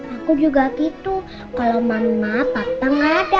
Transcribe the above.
aku juga gitu kalau mama papa gak ada